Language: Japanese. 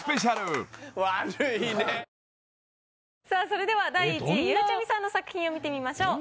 それでは第１位ゆうちゃみさんの作品を見てみましょう。